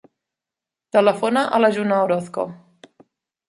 Telefona a la Juna Orozco.